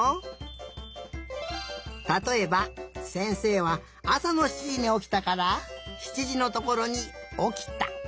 たとえばせんせいはあさの７じにおきたから７じのところに「おきた」。